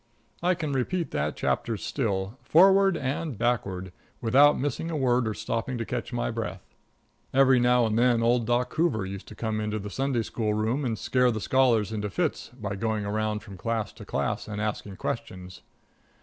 I can repeat that chapter still, forward and backward, without missing a word or stopping to catch my breath. Every now and then old Doc Hoover used to come into the Sunday school room and scare the scholars into fits by going around from class to class and asking questions.